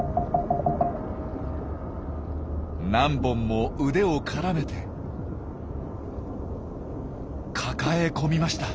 何本も腕を絡めて抱え込みました。